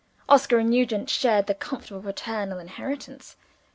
Oscar and Nugent shared the comfortable paternal inheritance.